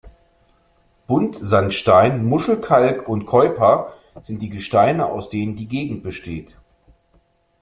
Buntsandstein, Muschelkalk und Keuper sind die Gesteine, aus denen die Gegend besteht.